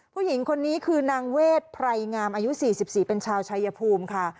ผู้หญิงคนนี้คือนางเวทไพรงามอายุ๔๔เป็นชาวชายภูมิค่ะ